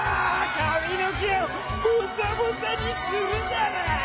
かみのけをボサボサにするダラ！